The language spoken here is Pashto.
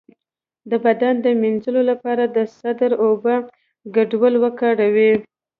د بدن د مینځلو لپاره د سدر او اوبو ګډول وکاروئ